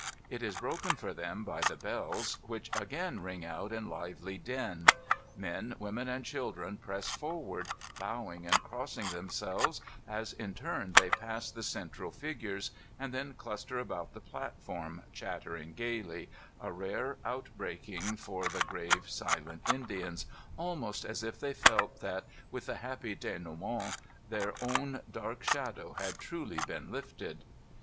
It is broken for them by the bells, which again ring out in lively din. Men, women, and children press forward, bowing and crossing themselves as in turn they pass the central figures; and then cluster about the platform, chattering gayly — a rare outbreaking for the grave, silent Indians, almost as if they felt that, with the happy dinouemeni, their own dark shadow had truly been lifted.